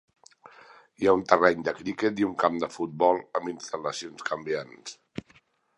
Hi ha un terreny de criquet i un camp de futbol amb instal·lacions canviants.